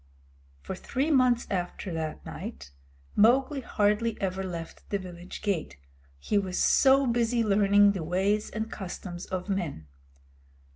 For three months after that night Mowgli hardly ever left the village gate, he was so busy learning the ways and customs of men.